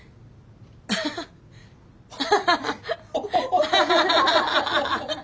アハハハハハ。